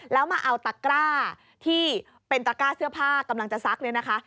แล้วมาเอาตะกร้าที่เป็นตะกร้าเสื้อผ้ากำลังจะซักเนี่ยนะคะ